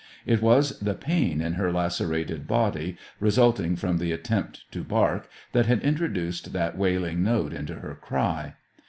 It was the pain in her lacerated body, resulting from the attempt to bark, that had introduced that wailing note into her cry.